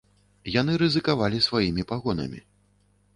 Яны рызыкавалі сваімі пагонамі.